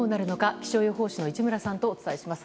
気象予報士の市村さんとお伝えします。